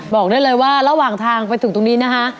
บอกได้เลยว่าระหว่างทางไปถึงตรงนี้นะคะ